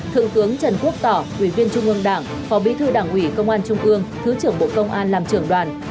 thượng tướng trần quốc tỏ ủy viên trung ương đảng phó bí thư đảng ủy công an trung ương thứ trưởng bộ công an làm trưởng đoàn